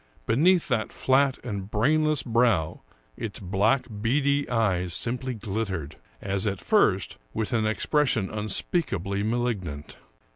Be neath that flat and brainless brow its black, beady eyes simply glittered, as at first, with an expression unspeakably malignant.